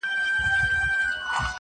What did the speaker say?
وایې به سندري سپوږمۍ ستوري به نڅا کوي,